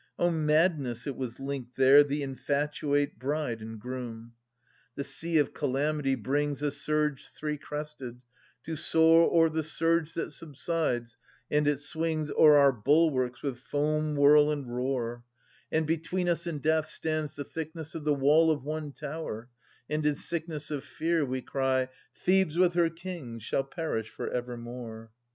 O, madness it was linked there The infatuate bride and groom ! THE SE VEN A GAINST THEBES. 35 {AnU 3) The sea of calamity brings A surge three crested, to soar O'er the surge that subsides, and it swings 760 O'er our bulwarks with foam whirl and roar : And between us and death stands the thickness Of the wall of one tower, and in sickness Of fear we cry, * Thebes with her kings Shall perish for evermore